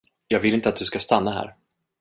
Jag vill inte att du ska stanna här.